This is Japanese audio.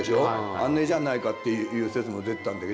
あれじゃないかっていう説も出てたんだけど。